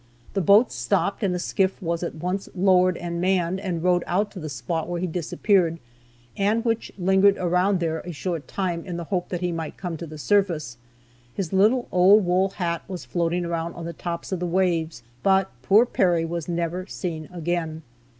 The boats stopped, and a skiff was at once lowered and manned, and rowed out to the spot where he disappeared, and which lingered around there a short time, in the hope that he might come to the surface. His little old wool hat was floating around on the tops of the waves, but poor Perry was never seen again.